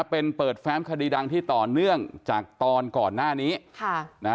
เป็นเปิดแฟ้มคดีดังที่ต่อเนื่องจากตอนก่อนหน้านี้ค่ะนะ